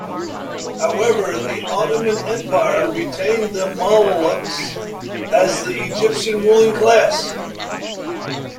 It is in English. However, the Ottoman Empire retained the Mamluks as the Egyptian ruling class.